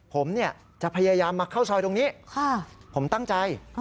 ผมจะพยายามมาเข้าซอยตรงนี้ผมตั้งใจ